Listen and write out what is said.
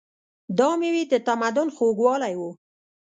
دا مېوې د تمدن خوږوالی و.